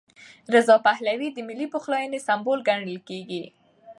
رضا پهلوي د ملي پخلاینې سمبول ګڼل کېږي.